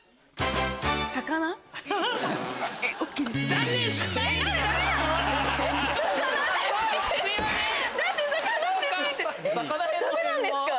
ダメなんですか？